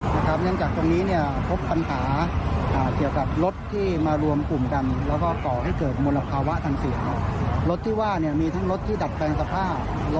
ก็สภาพปัญหาเดียวกันหลังจากปฏิบัติการทั้งนั้นก็พบว่าสมมุติเป็นปัญหาในคืนภาย